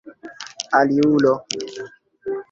aliulo